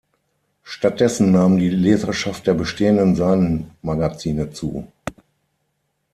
Stattdessen nahm die Leserschaft der bestehenden Seinen-Magazine zu.